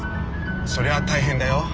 そりゃ大変だよ